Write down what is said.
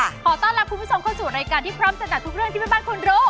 และกลับไปสู่รายการที่พร้อมจัดทุกเรื่องที่เป็นบ้านคนโร่